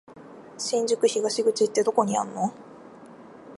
新宿東口ってどこにあんの？